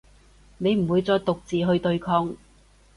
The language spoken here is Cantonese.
你唔會再獨自去對抗